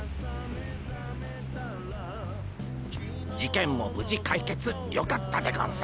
事件も無事解決よかったでゴンス。